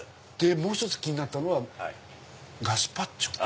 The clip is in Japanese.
もう１つ気になったのはガスパチョ。